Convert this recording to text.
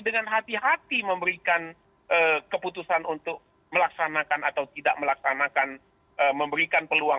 dengan hati hati memberikan keputusan untuk melaksanakan